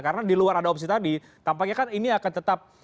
karena di luar ada opsi tadi tampaknya kan ini akan tetap